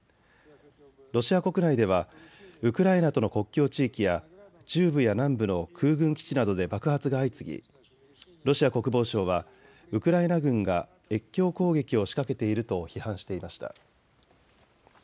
ロシア国内ではウクライナとの国境地域や中部や南部の空軍基地などで爆発が相次ぎロシア国防省はウクライナ軍が越境攻撃を仕掛けていると批判していました。